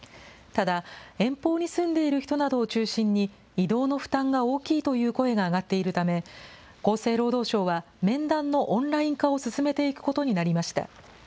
ただ、遠方に住んでいる人などを中心に、移動の負担が大きいという声が上がっているため、厚生労働省は、面談のオンライン化を進めていくことになりました。